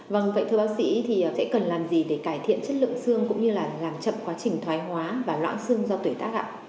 vâng vậy thưa bác sĩ thì sẽ cần làm gì để cải thiện chất lượng xương cũng như là làm chậm quá trình thoái hóa và loạn xương do tuổi tác ạ